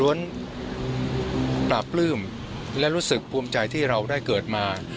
ปราบปลื้มและรู้สึกภูมิใจที่เราได้เกิดมา